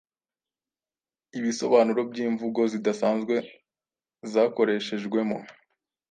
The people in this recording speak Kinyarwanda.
ibisobanuro by’imvugo zidasanzwe zakoreshejwemo